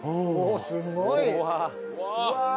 すごい！